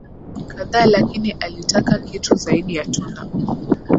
kadhaa lakini alitaka kitu zaidi ya tunda